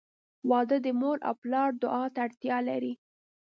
• واده د مور او پلار دعا ته اړتیا لري.